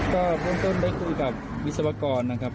ก็เบื้องต้นได้คุยกับวิศวกรนะครับ